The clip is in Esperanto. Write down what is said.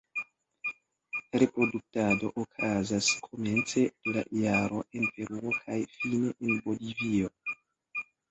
Reproduktado okazas komence de la jaro en Peruo kaj fine en Bolivio.